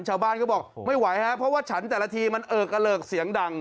ชาวบ้านก็บอกไม่ไหวฮะเพราะว่าฉันแต่ละทีมันเอิกกระเหลิกเสียงดัง